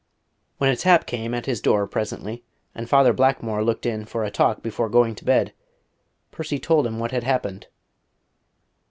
When a tap came at his door presently, and Father Blackmore looked in for a talk before going to bed, Percy told him what had happened.